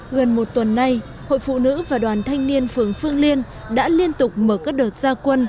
gần một tuần nay hội phụ nữ và đoàn thanh niên phường phương liên đã liên tục mở các đợt gia quân